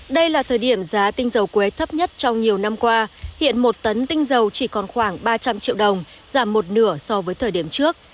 đây là thời điểm giá tinh dầu quế thấp nhất trong nhiều năm qua hiện một tấn tinh dầu chỉ còn khoảng ba trăm linh triệu đồng giảm một nửa so với thời điểm trước